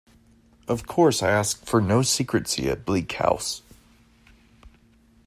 Of course I ask for no secrecy at Bleak House.